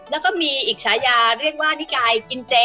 แล้วก็มีอีกฉายาเรียกว่านิกายกินเจ